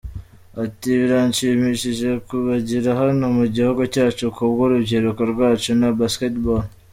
Ati: “Birashimishije kubagira hano mu gihugu cyacu kubw’urubyiruko rwacu na Basketball.